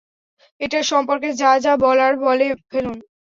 এটার সম্পর্কে যা যা বলার বলে ফেলুন!